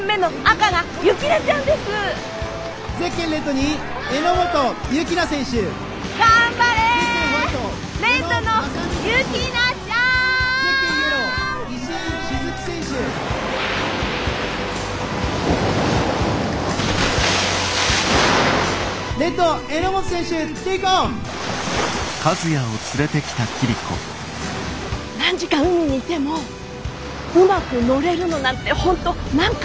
何時間海にいてもうまく乗れるのなんて本当何回とか何秒。